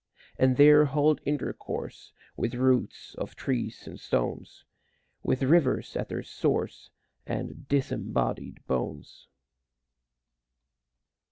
And there hold intercourse With roots of trees and stones, With rivers at their source, And disembodied bones.